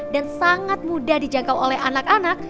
dan sangat mudah dijangkau oleh anak anak